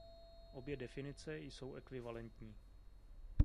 Obě definice jsou ekvivalentní.